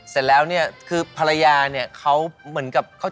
เสร็จแล้วเนี่ยคือภรรยาเนี่ยเขาเหมือนกับเขา